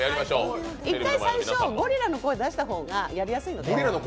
一回、最初ゴリラの声を出した方がやりやすいので。